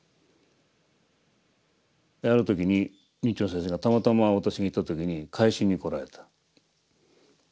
ある時に院長先生がたまたま私が行った時に回診に来られた。